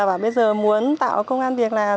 bây giờ muốn tạo công an việc làm